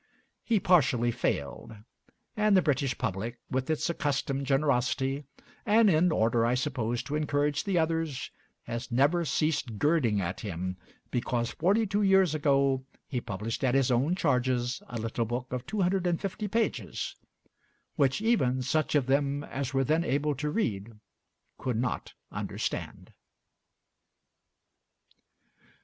'" He partially failed; and the British public, with its accustomed generosity, and in order, I suppose, to encourage the others, has never ceased girding at him because forty two years ago he published at his own charges a little book of two hundred and fifty pages, which even such of them as were then able to read could not understand.